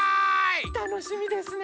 たのしみですね。